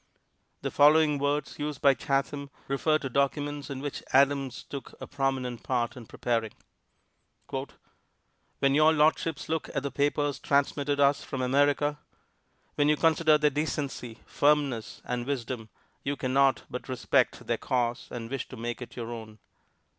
The following words, used by Chatham, refer to documents in which Adams took a prominent part in preparing: "When your Lordships look at the papers transmitted us from America, when you consider their decency, firmness and wisdom, you can not but respect their cause and wish to make it your own.